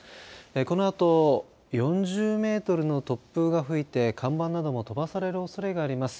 このあと４０メートルの突風が吹いて看板なども飛ばされるおそれがあります。